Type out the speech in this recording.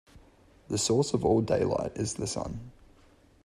The source of all daylight is the sun.